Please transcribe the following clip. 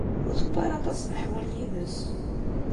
Ur tewwi ara aṭas n leḥwal yid-s.